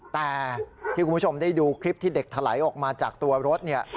แต่ที่คุณผู้ชมได้ดูคลิปที่เด็กถลายออกมาจากตัวรถเนี่ย